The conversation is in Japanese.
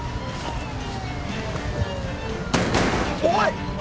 おい！